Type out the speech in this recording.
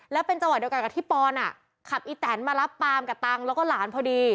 แล้วเป็นจังหวะเดียวกันกับที่ปอนขับอีแตนมารับปามกับตังค์แล้วก็หลานพอดี